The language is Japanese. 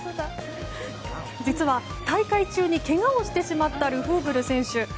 実は大会中にけがをしてしまったルフーブル選手。